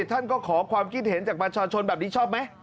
ท่านก็ขอความคิดเห็นจากประชาชนแบบนี้ชอบไหม